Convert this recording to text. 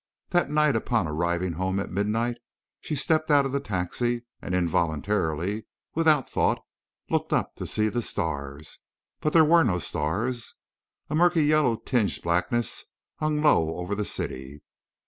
That night upon arriving home at midnight she stepped out of the taxi, and involuntarily, without thought, looked up to see the stars. But there were no stars. A murky yellow tinged blackness hung low over the city.